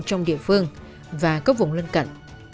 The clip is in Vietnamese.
trong địa phương và các vùng lân cận